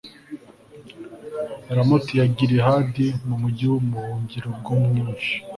ramoti ya gilihadi wa mugi w'ubuhungiro bw'umwishi